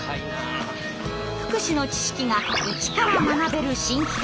福祉の知識がイチから学べる新企画！